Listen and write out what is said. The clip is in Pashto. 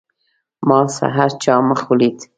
ما سحر چا مخ ولید.